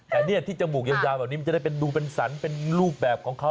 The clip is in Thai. แต่เนี่ยที่จมูกยาวแบบนี้มันจะได้เป็นดูเป็นสันเป็นรูปแบบของเขา